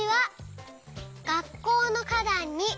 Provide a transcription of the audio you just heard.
「がっこうのかだんに」